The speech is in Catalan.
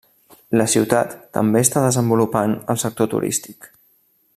La ciutat també està desenvolupant el sector turístic.